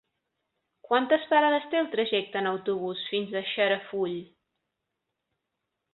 Quantes parades té el trajecte en autobús fins a Xarafull?